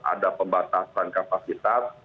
ada pembatasan kapasitas